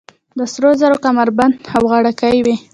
د سرو زرو کمربندونه او غاړکۍ وې